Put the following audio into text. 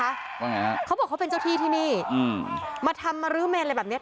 ว่าไงฮะเขาบอกเขาเป็นเจ้าที่ที่นี่อืมมาทำมารื้อเมนอะไรแบบเนี้ย